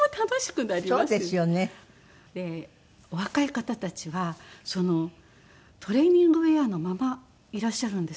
お若い方たちはトレーニングウェアのままいらっしゃるんですよ。